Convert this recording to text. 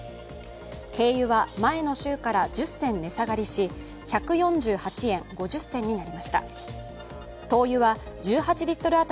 軽油は前の週から１０銭値下がりし１４８円５０銭になりました。